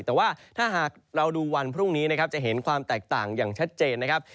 แต่ว่าถ้าหากเราดูวันพรุ่งนี้นะครับจะเห็นความแตกต่างอย่างชัดเจนนะครับ